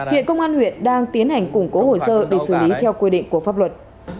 hiện công an huyện đang tiến hành củng cố hồ sơ để xử lý theo quy định của pháp luật